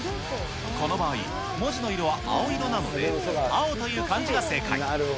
この場合、文字の色は青色なので、青という漢字が正解。